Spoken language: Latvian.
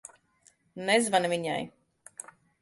Nezvani viņai.